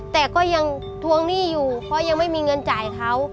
แต่ก็ยังทวงหนี้อยู่เพราะยังไม่มีเงินจ่ายเขา